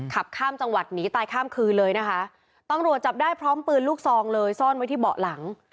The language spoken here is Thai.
ขับข้ามจังหวัดหนีตายข้ามคืนเลยนะคะตำรวจจับได้พร้อมปืนลูกซองเลยซ่อนไว้ที่เบาะหลัง